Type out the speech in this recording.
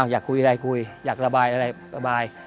อยากคุยอะไรคุยอยากระบายอะไรระบาย